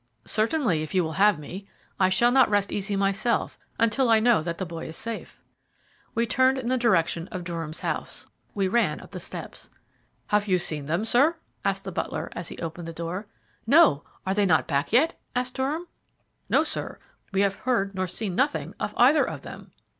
"Certainly, if you will have me. I shall not rest easy myself until I know that the boy is safe." We turned in the direction of Durham's house. We ran up the steps. "Have you seen them, sir?" asked the butler, as he opened the door. "No. Are they not back yet?" asked Durham. "No, sir; we have heard nor seen nothing of either of them."